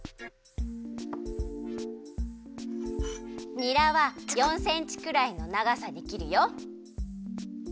にらは４センチくらいのながさにきるよ。